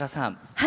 はい。